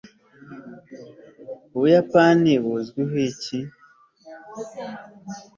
ubuyapani buzwiho iki